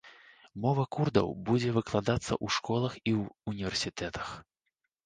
Мова курдаў будзе выкладацца ў школах і універсітэтах.